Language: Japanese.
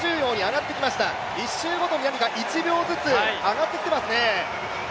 １周ごとに１秒ずつ上がってきてますね。